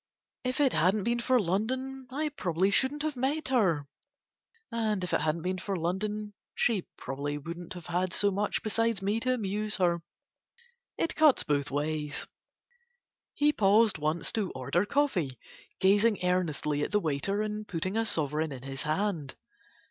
If it hadn't been for London I probably shouldn't have met her, and if it hadn't been for London she probably wouldn't have had so much besides me to amuse her. It cuts both ways." He paused once to order coffee, gazing earnestly at the waiter and putting a sovereign in his hand.